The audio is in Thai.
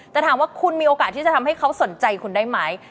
แต่ถามว่าคุณมีโอกาสที่จะทำให้เขาสนใจคุณได้ไหม